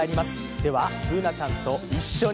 では Ｂｏｏｎａ ちゃんと一緒に